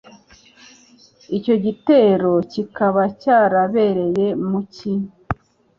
Icyo gitero kikaba cyarabereye mu Cyi .